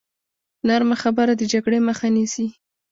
نرمه خبره د جګړې مخه نیسي.